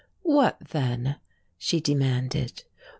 "What then?" she demanded.